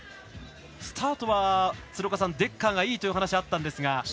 スタートはデッカーがいいというお話があったんですが。